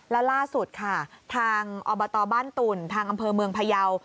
แล้วล่าสุดค่ะทางอบตบ้านตุ่นทางอำเภอเมืองพยาว